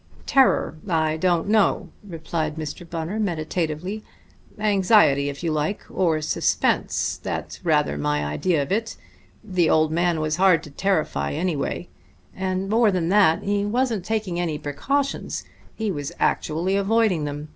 "Terror I don't know," replied Mr. Bunner meditatively. "Anxiety, if you like ... or suspense that's rather my idea of it. The old man was hard to terrify, anyway; and more than that, he wasn't taking any precautions he was actually avoiding them.